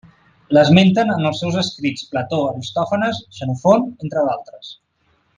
L'esmenten en els seus escrits Plató, Aristòfanes, Xenofont entre d'altres.